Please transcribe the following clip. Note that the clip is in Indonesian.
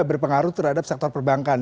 berpengaruh terhadap sektor perbankan